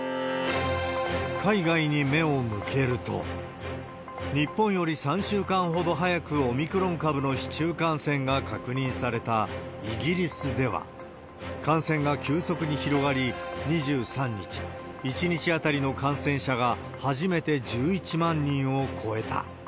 海外に目を向けると、日本より３週間ほど早くオミクロン株の市中感染が確認されたイギリスでは、感染が急速に広がり、２３日、１日当たりの感染者が初めて１１万人を超えた。